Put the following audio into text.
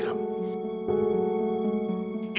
kamu k pesawat